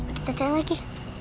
kita cari lagi